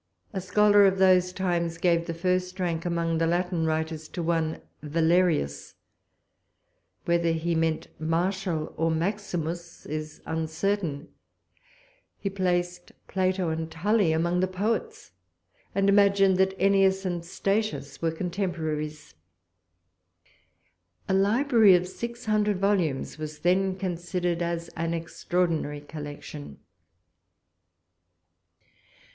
A scholar of those times gave the first rank among the Latin writers to one Valerius, whether he meant Martial or Maximus is uncertain; he placed Plato and Tully among the poets, and imagined that Ennius and Statius were contemporaries. A library of six hundred volumes was then considered as an extraordinary collection.